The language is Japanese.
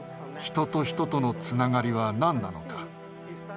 人と人とのつながりは何なのか。